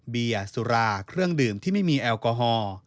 เบียร์สุราเครื่องดื่มที่ไม่มีแอลกอฮอล์